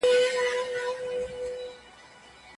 ښځې باید د روغتیا په اړه معلومات ولري.